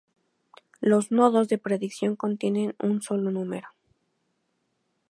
Los nodos de predicción contienen un solo número.